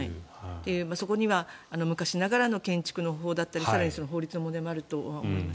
そこには昔ながらの建築だったり更に、法律の問題もあると思います。